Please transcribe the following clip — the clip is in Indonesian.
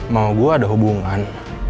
mau gua ada hubungan